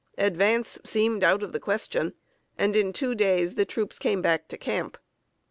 Advance seemed out of the question, and in two days the troops came back to camp.